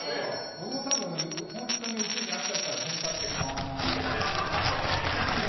僕も多分本当に宇宙人に会っちゃったらテンパってこんにちはー！って